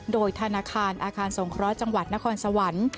โดยธนาคารอาคารสงเคราะห์จังหวัดนครสวรรค์